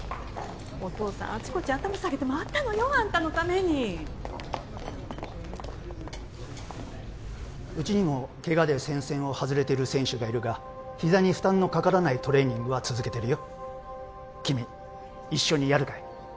お父さんあちこち頭下げて回ったのよあんたのためにうちにもケガで戦線を外れてる選手がいるが膝に負担のかからないトレーニングは続けてるよ君一緒にやるかい？